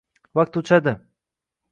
Vaqt uchadi